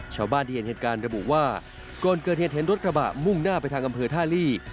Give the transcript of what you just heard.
ชาวบ้านที่เห็นเหตุการณ์ระบุว่าก่อนเกิดเหตุเห็นรถกระบะมุ่งหน้าไปทางอำเภอท่าลี่